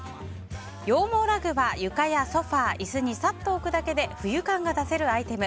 羊毛ラグは、床やソファ椅子にさっと置くだけで冬感が出せるアイテム。